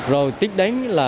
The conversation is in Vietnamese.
rồi tích đánh là